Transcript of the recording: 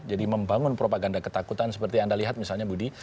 jadi membangun propaganda ketakutan seperti yang anda lihat misalnya budi